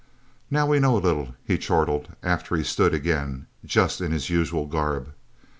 "Now we know a little," he chortled, after he stood again, just in his usual garb.